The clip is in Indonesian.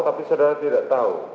tapi saudara tidak tahu